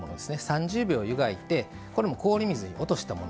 ３０秒湯がいてこれも氷水に落としたもの